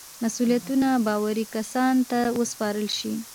مسئولیتونه باوري کسانو ته وسپارل شي.